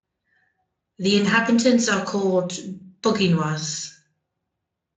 The inhabitants are called "Boginois".